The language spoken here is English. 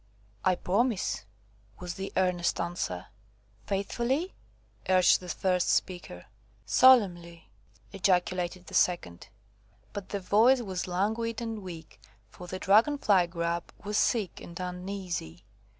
"I promise," was the earnest answer. "Faithfully?" urged the first speaker. "Solemnly," ejaculated the second. But the voice was languid and weak, for the dragon fly Grub was sick and uneasy.